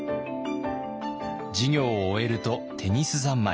授業を終えるとテニス三昧。